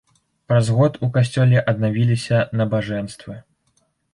Праз год у касцёле аднавіліся набажэнствы.